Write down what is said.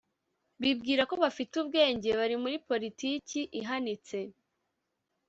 bibwira ko bafite ubwenge bari muri politiki ihanitse